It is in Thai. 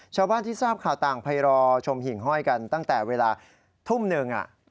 ชาวบ้านที่ทราบข่าวต่างไปรอชมหิ่งห้อยกันตั้งแต่เวลาทุ่มหนึ่ง